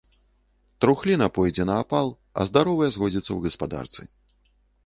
Трухліна пойдзе на апал, а здаровае згодзіцца ў гаспадарцы.